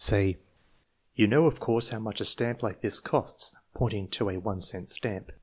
Say: " You know, of course, how much a stamp like this costs (pointing to a 1 cent stamp).